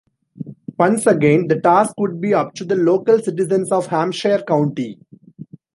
Once again, the task would be up to the local citizens of Hampshire County.